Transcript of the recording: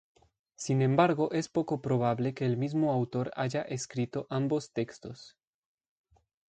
Sin embargo es poco probable que el mismo autor haya escrito ambos textos.